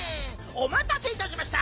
おまたせいたしました！